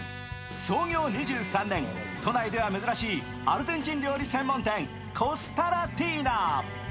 創業２３年、都内では珍しいアルゼンチン料理専門店、ＣＯＳＴＡＬＡＴＩＮＡ。